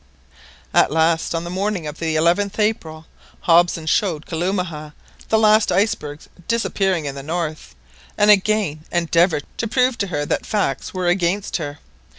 At last, on the morning of the 11th April, Hobson showed Kalumah the last icebergs disappearing in the north, and again endeavoured to prove to her that facts were against her.